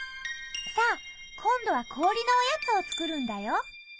さあ今度は氷のおやつを作るんだよ。